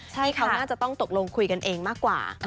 ที่เขาน่าจะต้องตกลงคุยกันเองมากกว่า